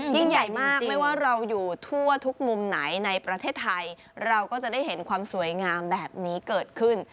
ยิ่งใหญ่มากไม่ว่าเราอยู่ทั่วทุกมุมไหนในประเทศไทยเราก็จะได้เห็นความสวยงามแบบนี้เกิดขึ้น